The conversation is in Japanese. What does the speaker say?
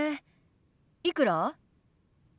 いくら？